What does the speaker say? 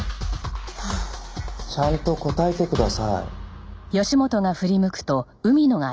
ちゃんと答えてください。